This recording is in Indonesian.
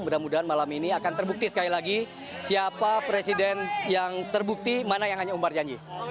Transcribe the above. mudah mudahan malam ini akan terbukti sekali lagi siapa presiden yang terbukti mana yang hanya umbar janji